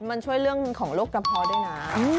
มันช่วยเรื่องของโรคกระเพาะด้วยนะ